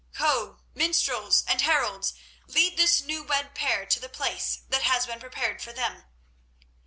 Ho! minstrels and heralds lead this new wed pair to the place that has been prepared for them."